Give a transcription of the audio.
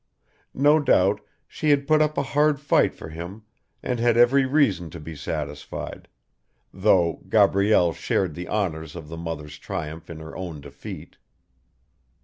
No doubt she had put up a hard fight for him and had every reason to be satisfied, though Gabrielle shared the honours of the mother's triumph in her own defeat.